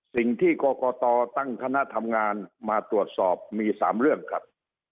สิ่งที่กรกตตั้งคณะทำงานมาตรวจสอบมี๓เรื่องครับ